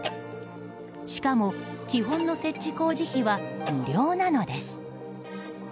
しかも、基本の設置工事費は無料なのです。